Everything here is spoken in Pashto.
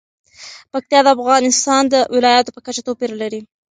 پکتیا د افغانستان د ولایاتو په کچه توپیر لري.